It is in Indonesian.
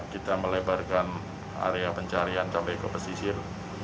kita melebarkan area pencarian sampai ke pesisir